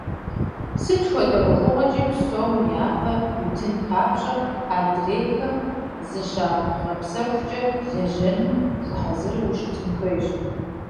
Сыт хуэдэ Ӏуэхугъуэкӏи псом япэ уитын папщӏэ, адрейхэм зыщагъэпсэхукӀэ лэжьэным ухуэхьэзыру ущытын хуейщ.